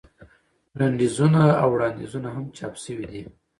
لنډیزونه او وړاندیزونه هم چاپ شوي دي.